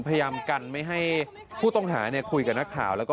พี่เล่าให้ฟังได้ไหมพี่บนปัญหามันเกิดอะไรอยู่นะครับพี่เรา